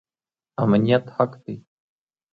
امنیت حق دی